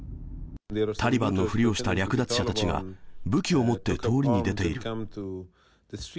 タリバンのふりをした略奪者たちが武器を持って通りに出ている。